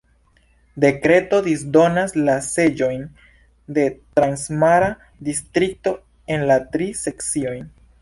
Dekreto disdonas la seĝojn de la transmara distrikto en la tri sekciojn.